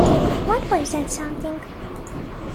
What was that something?